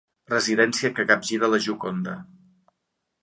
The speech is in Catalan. Residència que capgira la Gioconda.